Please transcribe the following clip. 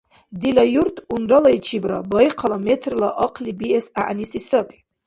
Дила юрт унралайчибра байхъала метрла ахъли биэс гӀягӀниси саби.